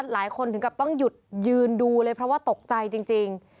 หลายคนถึงกับต้องหยุดยืนดูเลยเพราะว่าตกใจจริง